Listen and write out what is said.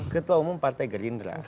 ketua umum partai gerindra